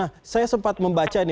nah saya sempat membaca nih